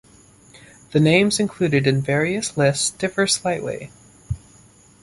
The names included in various lists differ slightly.